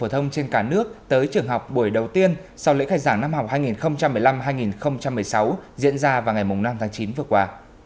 phổ thông trên cả nước tới trường học buổi đầu tiên sau lễ khai giảng năm học hai nghìn một mươi năm hai nghìn một mươi sáu diễn ra vào ngày năm tháng chín vừa qua